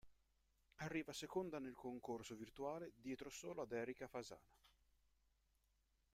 Arriva seconda nel concorso virtuale dietro solo ad Erika Fasana.